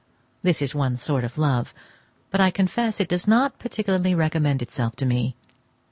This is one sort of love, but I confess it does not particularly recommend itself to me.